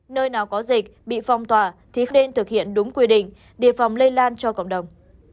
nơi nào có dịch bị phong tỏa thì không nên thực hiện đúng quy định đề phòng lây lan cho cộng đồng